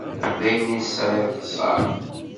D ayen i sɛiɣ d ṣṣerf.